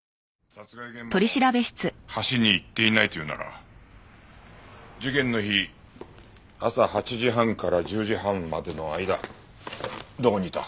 殺害現場の橋に行っていないというなら事件の日朝８時半から１０時半までの間どこにいた？